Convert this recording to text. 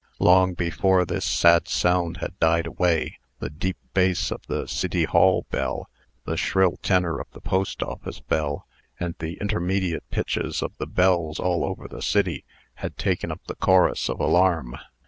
Long before this sad sound had died away, the deep bass of the City Hall bell, the shrill tenor of the Post Office bell, and the intermediate pitches of the bells all over the city, had taken up the chorus of alarm.